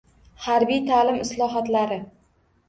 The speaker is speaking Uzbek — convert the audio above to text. Harbiy ta’lim islohotlari